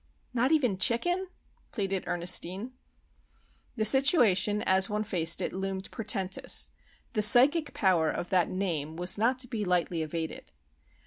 "Not even chicken?" pleaded Ernestine. The situation as one faced it loomed portentous. The psychic power of that Name was not to be lightly evaded.